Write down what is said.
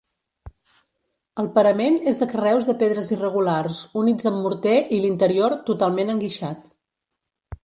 El parament és de carreus de pedres irregulars units amb morter i l'interior, totalment enguixat.